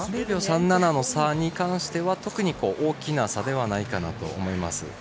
０秒３７の差に関しては特に大きな差ではないかなと思います。